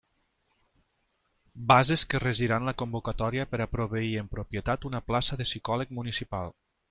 Bases que regiran la convocatòria per a proveir en propietat una plaça de psicòleg municipal.